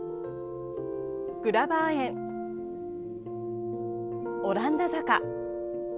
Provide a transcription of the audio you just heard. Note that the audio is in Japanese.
グラバー園、オランダ坂。